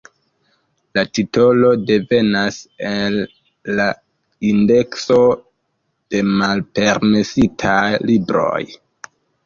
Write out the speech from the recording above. La titolo devenas el la indekso de malpermesitaj libroj.